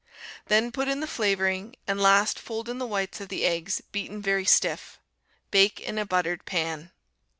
Then put in the flavoring, and last fold in the whites of the eggs, beaten very stiff. Bake in a buttered pan.